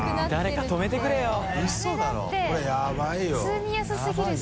普通に安すぎるし。